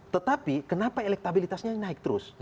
tetapi kenapa elektabilitasnya naik terus